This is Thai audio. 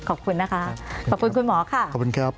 ขอบคุณนะคะขอบคุณคุณหมอค่ะขอบคุณครับ